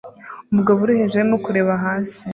Umugabo uri hejuru arimo kureba hasi